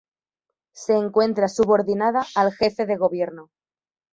Se encuentra subordinada al Jefe de Gobierno.